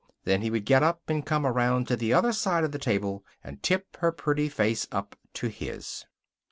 Then he would get up, and come around to the other side of the table, and tip her pretty face up to his.